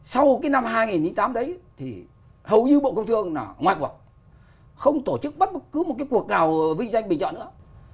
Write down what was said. sau cái năm hai nghìn tám đấy thì hầu như bộ công thương là ngoài cuộc không tổ chức bất cứ một cái cuộc nào vinh danh bình chọn nữa